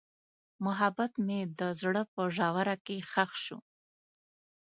محبت مې د زړه په ژوره کې ښخ شو.